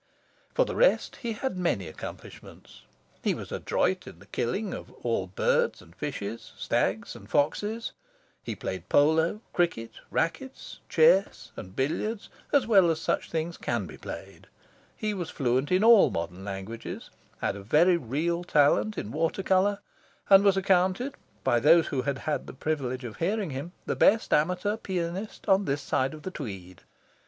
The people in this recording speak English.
For the rest, he had many accomplishments. He was adroit in the killing of all birds and fishes, stags and foxes. He played polo, cricket, racquets, chess, and billiards as well as such things can be played. He was fluent in all modern languages, had a very real talent in water colour, and was accounted, by those who had had the privilege of hearing him, the best amateur pianist on this side of the Tweed.